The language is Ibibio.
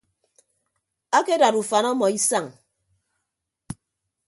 Akedad ufan ọmọ isañ.